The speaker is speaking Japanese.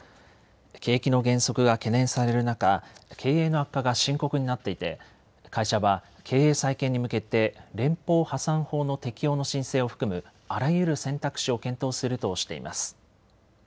景気の減速が懸念される中経営の悪化が深刻になっていて会社は経営再建に向けて連邦破産法の適用の申請を含むあらゆる選択肢を検討するとしています。